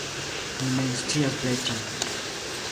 mi mem scias preĝi.